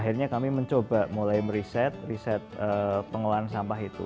riset pengelolaan sampah itu